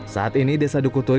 saat ini desa dukutulik